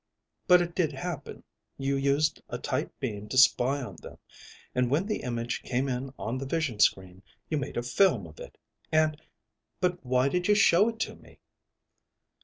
"But it did happen; you used a tight beam to spy on them, and when the image came in on the vision screen, you made a film of it, and But why did you show it to me?"